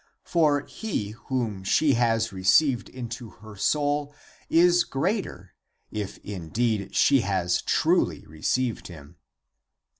For he whom she has received into her soul is greater, if indeed she has truly received him."